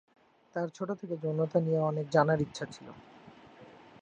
তার ছোট থেকে যৌনতা নিয়ে তার জানার ইচ্ছা ছিল।